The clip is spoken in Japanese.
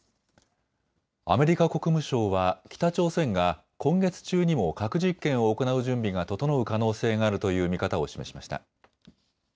アメリカ国務省は北朝鮮が今月中にも核実験を行う準備が整う可能性があるという見方を示しました。